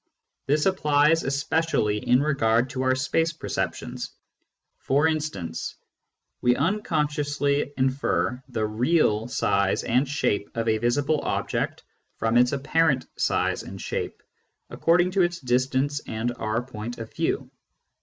This applies especially in regard to our space perceptions. For instance, we instinctively infer the "real" size and shape of a visible object from its apparent size and shape, according to its distance and our point of view.